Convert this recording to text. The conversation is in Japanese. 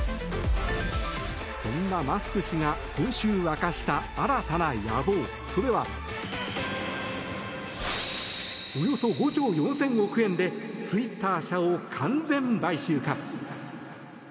そんなマスク氏が今週明かした新たな野望、それはおよそ５兆４０００億円でツイッター社を完全買収か。